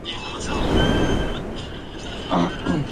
Es el hermano menor de Luca Prodan.